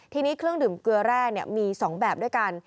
ทีนี้เครื่องดื่มเกลือแร่มี๒แบบด้วยกัน